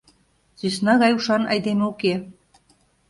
Сӧсна гай ушан айдеме уке...